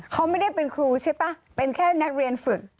เขาไม่ได้เป็นครูใช่ป่ะเป็นแค่นักเรียนฝึก